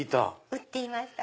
売っていました。